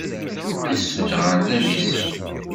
Aset-d ɣer da deg sin.